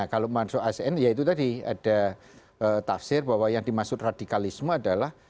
kalau masuk asn ya itu tadi ada tafsir bahwa yang dimaksud radikalisme adalah